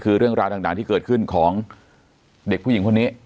คือเรื่องราวต่างที่เกิดขึ้นของเด็กผู้หญิงคนนี้